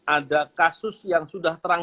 ada kasus yang sudah terang